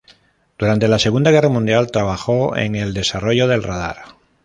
Durante la Segunda Guerra Mundial trabajó en el desarrollo del radar.